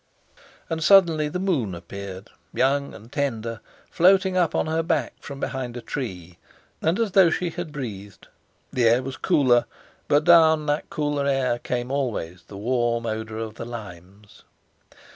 And suddenly the moon appeared, young and tender, floating up on her back from behind a tree; and as though she had breathed, the air was cooler, but down that cooler air came always the warm odour of the limes.